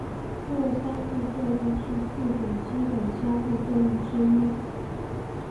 弱相互作用是四种基本相互作用之一。